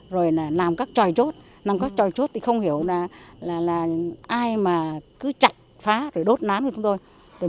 rồi làm các tròi chốt làm các tròi chốt thì không hiểu là ai mà cứ chặt phá đốt nán với chúng tôi